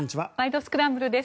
スクランブル」です。